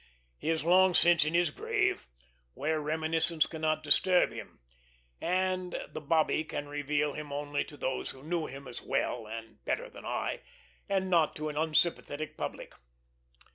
He is long since in his grave, where reminiscence cannot disturb him; and the Bobby can reveal him only to those who knew him as well and better than I, and not to an unsympathetic public.